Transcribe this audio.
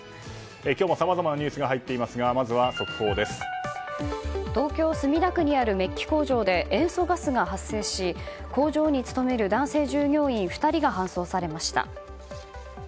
今日もさまざまなニュースが入っていますが東京・墨田区にあるメッキ工場で塩素ガスが発生し工場に勤める男性従業員２人が搬送されました。